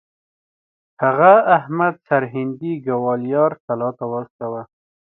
هغه احمد سرهندي ګوالیار کلا ته واستوه.